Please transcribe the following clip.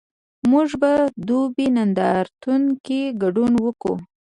موږ په دوبۍ نندارتون کې ګډون کوو؟